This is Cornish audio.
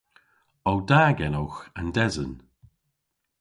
O da genowgh an desen?